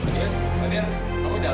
pak mama tenang dulu pak